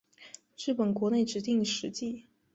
日本国内指定史迹。